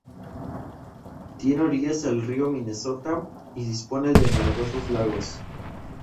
Tiene orillas al río Minnesota y dispone de numerosos lagos.